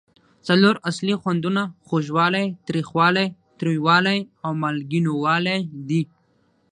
څلور اصلي خوندونه خوږوالی، تریخوالی، تریوالی او مالګینو والی دي.